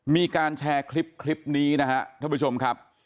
มีการแชร์คลิปนี้นะครับท่านผู้ชมครับ